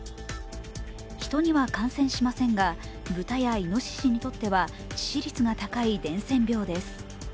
人には感染しませんが、豚やいのししにとっては致死率が高い伝染病です。